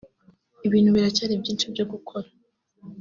ibintu biracyari byinshi byo gukora